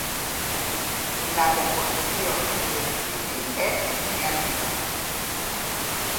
La composició de l'edifici és simètrica.